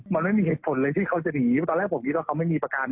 มันไม่มีเหตุผลเลยที่เขาจะหนีตอนแรกผมคิดว่าเขาไม่มีประกัน